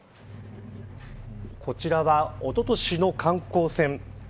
こちらは、おととしの観光船